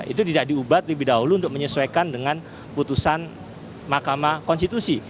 itu tidak diubah lebih dahulu untuk menyesuaikan dengan putusan mahkamah konstitusi